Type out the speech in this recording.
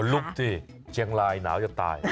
ลุกสิเชียงรายหนาวจะตาย